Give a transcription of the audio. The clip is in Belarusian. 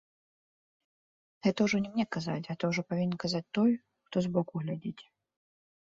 Гэта ўжо не мне казаць, гэта ўжо павінен казаць той, хто збоку глядзіць.